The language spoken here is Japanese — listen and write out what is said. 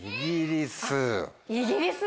イギリス。